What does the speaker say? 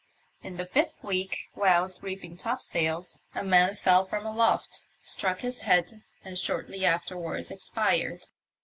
In the fifth week, whilst reefing topsails, a man fell from aloft, struck his head and shortly after wards expired.